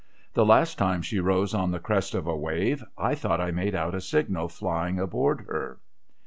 The last time she rose on the crest of a wave, I thought I made out a signal flying aboard her.'